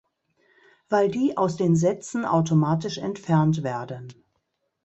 Weil die aus den Sätzen automatisch entfernt werden.